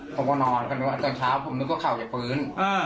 ผมก็นอนจากเช้าผมนึกว่าเข่าจะปื้น